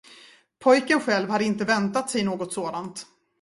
Pojken själv hade inte väntat sig något sådant.